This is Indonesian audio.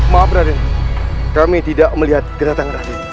maaf raden kami tidak melihat kedatangan radin